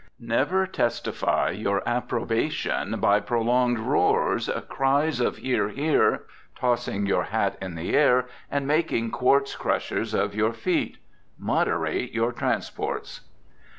Never testify your approbation by prolonged roars, cries of "Hear, hear!" tossing your hat in the air, and making quartz crushers of your feet. Moderate your transports.